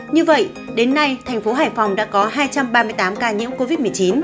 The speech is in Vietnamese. như vậy đến nay thành phố hải phòng đã có hai trăm ba mươi tám ca nhiễm covid một mươi chín